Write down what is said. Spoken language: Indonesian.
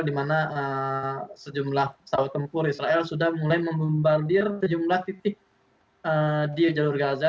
di mana sejumlah pesawat tempur israel sudah mulai membambardir sejumlah titik di jalur gaza